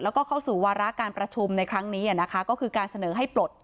แล้วก็เข้าสู่วาระการประชุมในครั้งนี้นะคะก็คือการเสนอให้ปลด